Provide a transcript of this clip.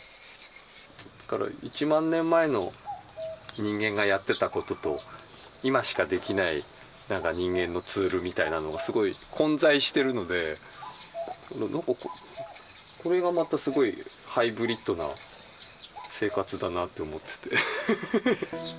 それから１万年前の人間がやってたことと、今しかできないなんか人間のツールみたいなのが、すごい混在してるので、なんか、これがまたすごいハイブリッドな生活だなって思ってて。